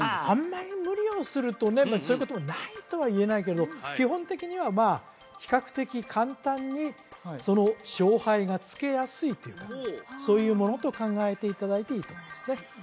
あんまり無理をするとねそういうこともないとは言えないけれど基本的には比較的簡単にその勝敗がつけやすいというかそういうものと考えていただいていいと思いますね